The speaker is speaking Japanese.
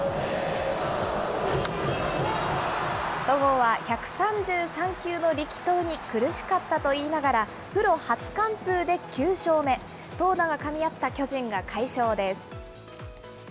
戸郷は１３３球の力投に苦しかったと言いながら、プロ初完封で９勝目。投打がかみ合った巨人が快勝です。